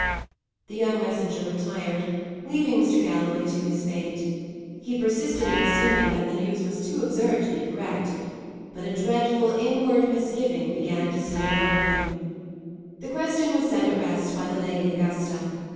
The young messenger retired, leaving Mr. Galloway to his fate. He persisted in assuming that the news was too absurd to be correct; but a dreadful inward misgiving began to steal over him. The question was set at rest by the Lady Augusta.